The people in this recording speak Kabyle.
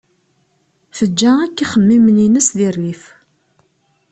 Teǧǧa akk ixemmimen-ines di rrif.